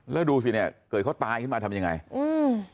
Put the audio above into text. แล้วก็ดูสิท่านชื่อเกิดเขาตายขึ้นมาที่นี่ทำยังไง